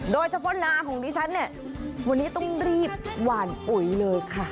โดยเฉพาะนาของดิฉันวันนี้ต้องรีบหวานปุ๋ยเลยค่ะ